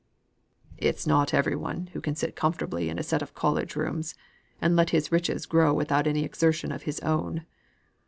"It is not everyone who can sit comfortably in a set of college rooms and let his riches grow without any exertion of his own.